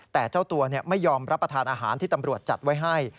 แต่เจ้าตัวไม่ยอมรับประทานอาหารที่ตำรวจจัดไว้ให้